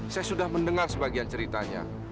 saya sudah mendengar sebagian ceritanya